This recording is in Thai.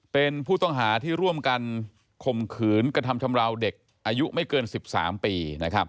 เป็นผู้ต้องหาที่ร่วมกันข่มขืนกระทำชำราวเด็กอายุไม่เกิน๑๓ปี